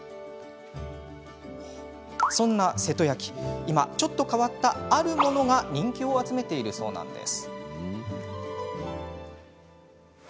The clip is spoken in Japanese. そんな瀬戸焼で今、ちょっと変わったあるものが人気を集めているそうなんです。